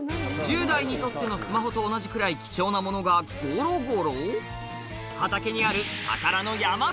１０代にとってのスマホと同じくらい貴重なものがごろごろ？